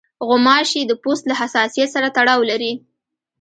غوماشې د پوست له حساسیت سره تړاو لري.